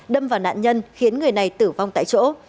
đâm vào nạn nhân khiến người này tử vong tại chỗ